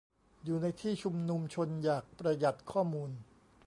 อยู่ในที่ชุมนุมชน อยากประหยัดข้อมูล